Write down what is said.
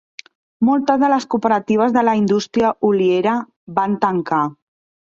Moltes de les cooperatives de la indústria oliera van tancar.